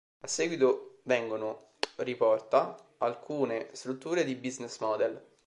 A seguito vengono riporta alcune strutture di business model.